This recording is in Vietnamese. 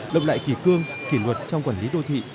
lộng lại kỳ cương kỷ luật trong quản lý đô thị